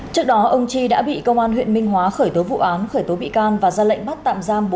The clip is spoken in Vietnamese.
trước đó ông chi đã bị công an huyện minh hóa khởi tố vụ án khởi tố bị can và ra lệnh bắt tạm giam